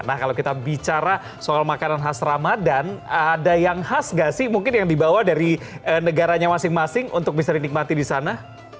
nah kalau kita bicara soal makanan khas ramadan ada yang khas gak sih mungkin yang dibawa dari negaranya masing masing untuk bisa dinikmati di sana